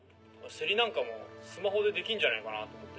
競りなんかもスマホでできんじゃないかなと思って。